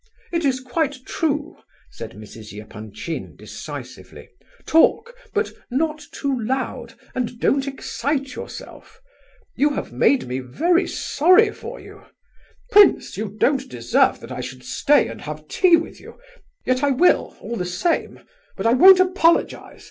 "It is quite true," said Mrs. Epanchin decisively. "Talk, but not too loud, and don't excite yourself. You have made me sorry for you. Prince, you don't deserve that I should stay and have tea with you, yet I will, all the same, but I won't apologize.